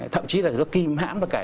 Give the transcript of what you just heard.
thậm chí là nó kìm hãm được cả